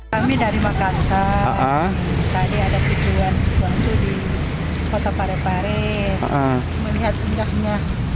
kami dari makassar tadi ada kejuan suatu di kota parepare melihat pindahnya